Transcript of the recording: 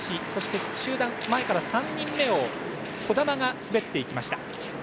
そして、中段前から３人目を児玉が滑っていきました。